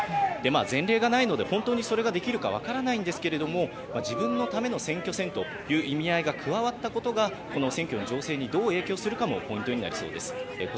前例がないので本当にそれができるか分からないのですが自分のための選挙戦という意味合いが加わったことがこの選挙の情勢にどう影響するかもポイントになりそうです。